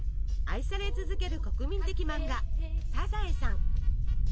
愛され続ける国民的漫画「サザエさん」。